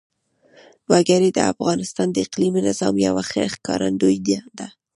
وګړي د افغانستان د اقلیمي نظام یوه ښه ښکارندوی ده.